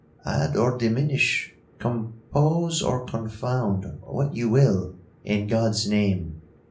'—'Add or diminish, compose or confound, what you will, in God's name!'